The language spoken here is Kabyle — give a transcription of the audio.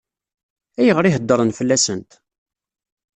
Ayɣer i heddṛen fell-asent?